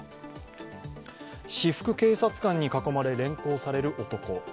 私服警察官に囲まれ連行される男。